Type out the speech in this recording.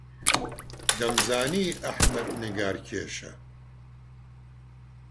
دەمزانی ئەحمەد نیگارکێشە.